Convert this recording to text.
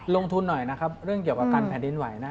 ลงทุนหน่อยนะครับเรื่องเกี่ยวกับการแผ่นดินไหวนะ